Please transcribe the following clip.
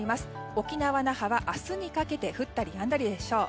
沖縄・那覇は、明日にかけて降ったりやんだりでしょう。